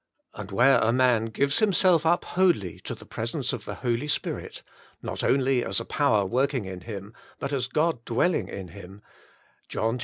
And where a man Gives 34 The Inner Chamber Himself up Wholly to the Presence of the Holy Spirit, not only as a power working in him, but AS God Dwelling in Him (John xiv.